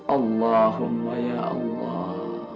allahumma ya allah